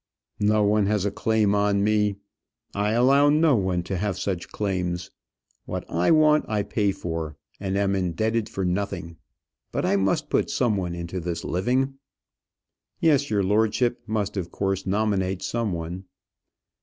"No one has a claim on me; I allow no one to have such claims. What I want I pay for, and am indebted for nothing. But I must put some one into this living." "Yes; your lordship must of course nominate some one."